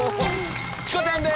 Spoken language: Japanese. チコちゃんです。